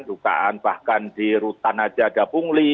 dugaan bahkan di rutanaja gapungli